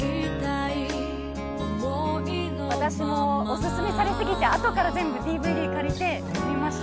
私もおすすめされ過ぎて後から全部ＤＶＤ借りて見ました。